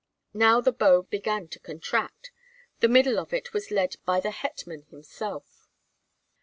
Now the bow began to contract. The middle of it was led by the hetman himself.